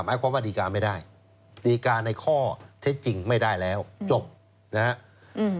หมายความว่าดีการไม่ได้ดีการในข้อเท็จจริงไม่ได้แล้วจบนะครับ